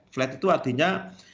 flat itu artinya